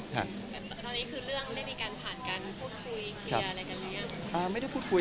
เรื่องได้ดีกันผ่านการพูดคุย